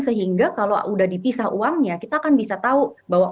sehingga kalau sudah dipisah uangnya kita akan bisa tahu bahwa